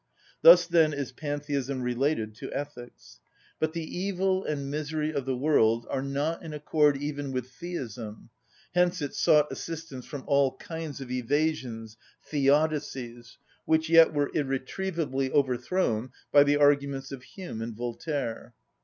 Thus, then, is pantheism related to ethics. But the evil and misery of the world are not in accord even with theism; hence it sought assistance from all kinds of evasions, theodicies, which yet were irretrievably overthrown by the arguments of Hume and Voltaire.